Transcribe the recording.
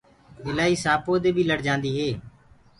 ٻِلآئي سآنپو دي بي لڙ جآندي هي۔